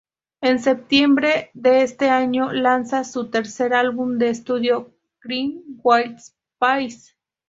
En septiembre de ese año lanzan su tercer álbum de estudio "Crime Always Pays".